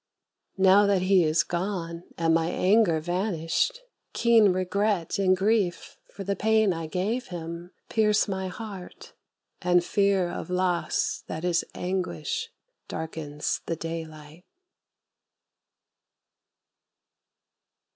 Now that he is gone and my anger vanished, Keen regret and grief for the pain I gave him Pierce my heart, and fear of loss that is anguish Darkens the daylight.